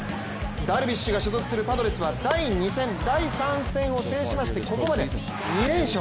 ダルビッシュが所属するパドレスは第２戦、第３戦を制しましてここまで２連勝。